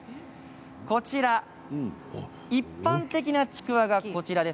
こちら、一般的なちくわがこちらです。